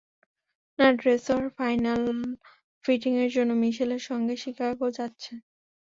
না, ড্রেসর ফাইনাল ফিটিংয়ের জন্য মিশেলের সাথে শিকাগো যাচ্ছে।